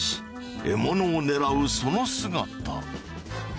獲物を狙うその姿。